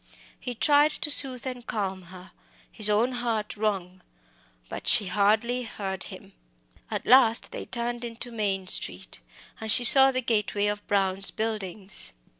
He tried to soothe and calm her, his own heart wrung. But she hardly heard him. At last they turned into Maine Street, and she saw the gateway of Brown's Buildings.